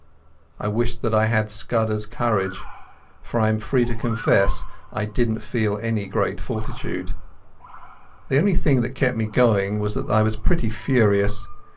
I wished that I had Scudder's courage, for I am free to confess I didn't feel any great fortitude. The only thing that kept me going was that I was pretty furious.